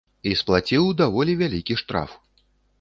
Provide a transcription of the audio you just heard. І сплаціў даволі вялікі штраф.